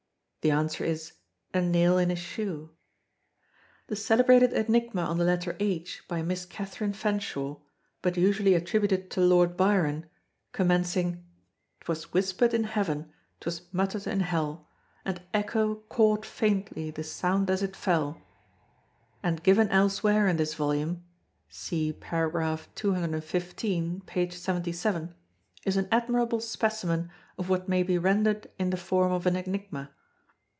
The answer is, A nail in a shoe. The celebrated Enigma on the letter H, by Miss Catherine Fanshawe, but usually attributed to Lord Byron, commencing: "'Twas whispered in heaven, 'twas muttered in hell, And echo caught faintly the sound as it fell;" and given elsewhere in this volume (See par. 215, page 77), is an admirable specimen of what may be rendered in the form of an Enigma.